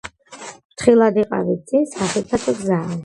ფრთხილად იყავით, წინ სახიფათო გზაა!